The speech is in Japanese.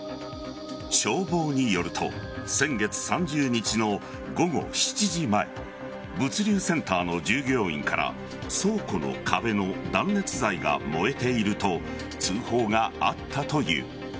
消防によると先月３０日の午後７時前物流センターの従業員から倉庫の壁の断熱材が燃えていると通報があったという。